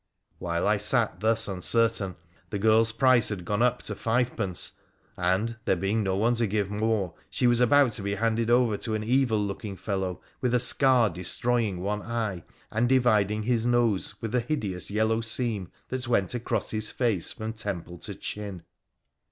While I sat thus uncertain, the girl's price had gone up to fivepence, and, there being no one to give more, she was about to be handed over to an evil looking fellow with a scar destroying one eye, and dividing his nose with a hideous yellow seam that went across his face from temple to chin.